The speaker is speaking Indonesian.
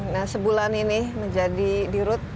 nah sebulan ini menjadi di rut